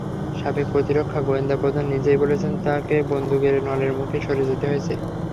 সাবেক প্রতিরক্ষা গোয়েন্দা–প্রধান নিজেই বলেছেন, তাঁকে বন্দুকের নলের মুখে সরে যেতে হয়েছে।